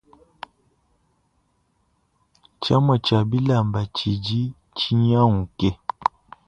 Tshiamua tshia bilamba tshidi tshinyanguke.